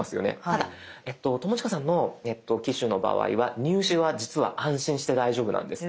ただ友近さんの機種の場合は入手は実は安心して大丈夫なんです。